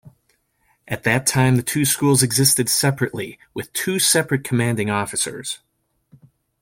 At that time the two schools existed separately with two separate commanding officers.